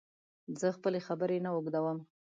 زه خپلي خبري نه اوږدوم